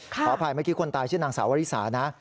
ขออภัยเมื่อกี้คนตายชื่อนางสาววริสานะ